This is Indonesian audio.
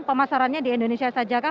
pemasarannya di indonesia saja kah